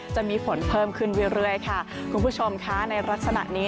จะมีฝนเพิ่มขึ้นเรื่อยค่ะคุณผู้ชมค่ะในลักษณะนี้